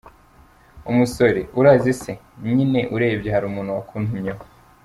Umusore : Urazi se ? mbega, nyine, urebye hari umuntu wakuntumyeho,.